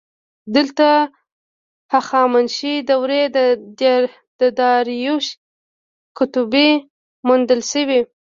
دلته د هخامنشي دورې د داریوش کتیبه موندل شوې